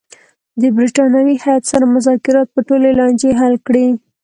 د برټانوي هیات سره مذاکرات به ټولې لانجې حل کړي.